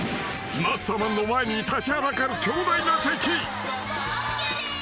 ［マッサマンの前に立ちはだかる強大な敵］ＯＫです。